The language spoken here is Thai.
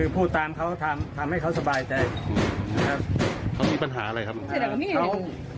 ประมาณว่าน้อยใจกับพ่อแม่แบบนี้นะ